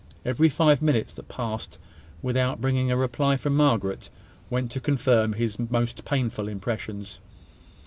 Every five minutes that passed without bringing a reply from Margaret, went to confirm his most painful impressions.